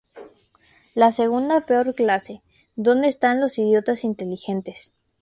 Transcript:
La segunda peor clase, donde están los ""idiotas inteligentes"".